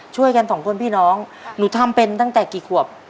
ช่วยกันสองคนพี่น้องหนูทำเป็นตั้งแต่กี่ขวบ